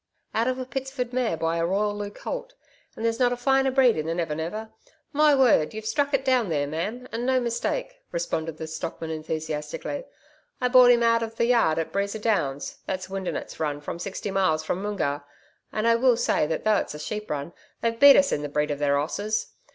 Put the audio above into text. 'Out of a Pitsford mare by a Royallieu colt, and there's not a finer breed in the Never Never. My word! you've struck it there, ma'am, and no mistake,' responded the stockman enthusiastically. 'I bought 'im out of the yard at Breeza Downs that's Windeatt's run about sixty miles from Moongarr, and I will say that though it's a sheep run they've beat us in the breed of their 'osses....